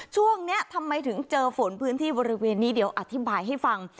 ช่วงนี้ทำไมถึงเจอฝนพื้นที่บริเวณนี้เดี๋ยวอธิบายให้ฟัง